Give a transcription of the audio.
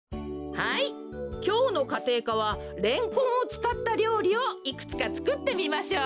はいきょうのかていかはレンコンをつかったりょうりをいくつかつくってみましょう。